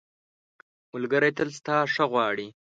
ملګری تل ستا ښه غواړي.